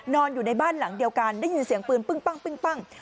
นอนอยู่ในบ้านหลังเดียวกันได้ยินเสียงปืนปึ้งปั้ง